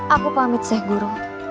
aku pamit syekh guru